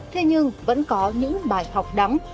thế nhưng vẫn có những bài học đắm